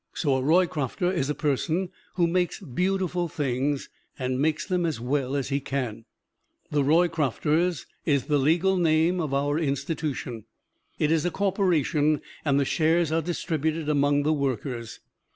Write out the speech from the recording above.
So a Roycrofter is a person who makes beautiful things, and makes them as well as he can. "The Roycrofters" is the legal name of our institution. It is a corporation, and the shares are distributed among the workers.